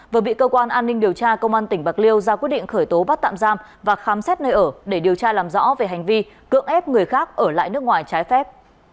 vừa bị cơ quan an ninh điều tra công an tỉnh bạc liêu ra quyết định khởi tố bắt tạm giam và khám xét nơi ở để điều tra làm rõ về hành vi cưỡng ép người khác ở lại nước ngoài trái phép